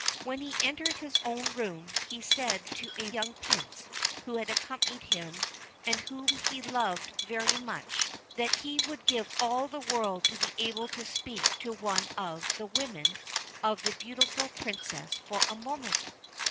When he entered his own room, he said to a young Prince who had accompanied him, and whom he loved very much, that he would give all the world to be able to speak to one of the women of the beautiful Princess for a moment.